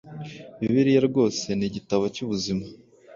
Bibiliya rwose ni igitabo cy’ubuzima: